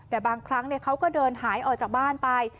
แต่บางครั้งเขาก็เดินหายออกจากบ้านไป